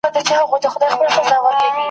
له بلبله څخه هېر سول پروازونه !.